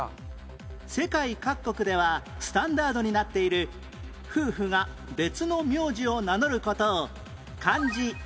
世界各国ではスタンダードになっている夫婦が別の名字を名乗る事を漢字